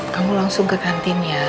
kamu langsung ke kantin ya